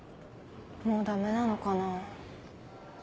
もうダメなのかな。